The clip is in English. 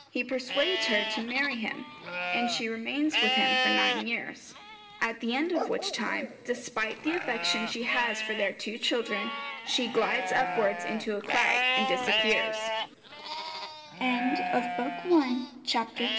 He persuades her to marry him, and she remains with him for nine years, at the end of which time, despite the affection she has for their two children, she 'glides upwards into a cloud' and disap